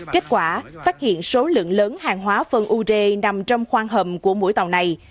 kết quả phát hiện số lượng lớn hàng hóa phân ure nằm trong khoang hầm của mỗi tàu này